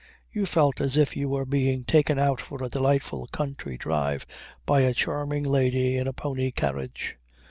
You felt as if you were being taken out for a delightful country drive by a charming lady in a pony carriage.